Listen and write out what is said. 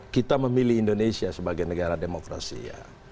kita memilih indonesia sebagai negara demokrasi ya